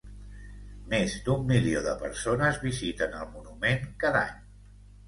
Més de un milió de persones visiten el monument cada any.